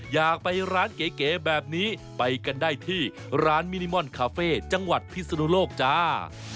อยากไปร้านเก๋แบบนี้ไปกันได้ที่ร้านมินิมอนคาเฟ่จังหวัดพิศนุโลกจ้า